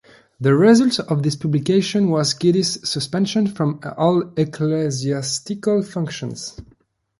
The result of this publication was Geddes's suspension from all ecclesiastical functions.